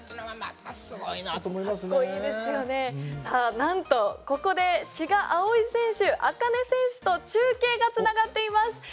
さあなんとここで志賀葵選手紅音選手と中継がつながっています。